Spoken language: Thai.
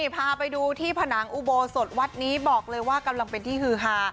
พาไปดูที่ผนังอุโบสถวัดนี้บอกเลยว่ากำลังเป็นที่ฮือฮา